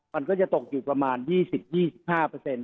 มันก็จะตกอยู่ประมาณ๒๐๒๕เปอร์เซ็นต์